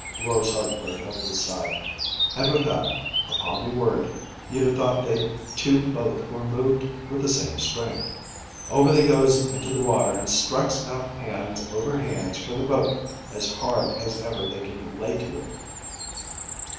roars Hardenberg over the side, and with that (upon me word you'd a thought they two both were moved with the same spring) over they goes into the water and strikes out hands over hands for the boat as hard as ever they kin lay to it.